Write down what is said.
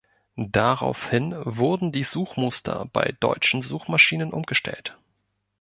Daraufhin wurden die Suchmuster bei deutschen Suchmaschinen umgestellt.